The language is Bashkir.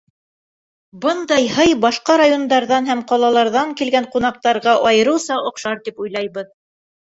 Бындай һый башҡа райондарҙан һәм ҡалаларҙан килгән ҡунаҡтарға айырыуса оҡшар, тип уйлайбыҙ.